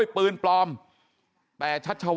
ไปรับศพของเนมมาตั้งบำเพ็ญกุศลที่วัดสิงคูยางอเภอโคกสำโรงนะครับ